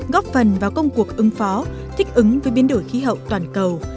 góp phần vào công cuộc ứng phó thích ứng với biến đổi khí hậu toàn cầu